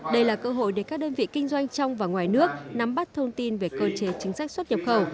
đây là cơ hội để các đơn vị kinh doanh trong và ngoài nước nắm bắt thông tin về cơ chế chính sách xuất nhập khẩu